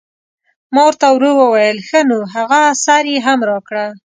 ما ور ته ورو وویل: ښه نو هغه سر یې هم راکړه.